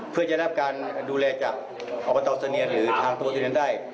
เพื่อจะรับการดูแลจากอบตเสนียนหรือทางตัวเสนียันได้